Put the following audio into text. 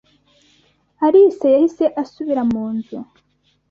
Alice yahise asubira mu nzu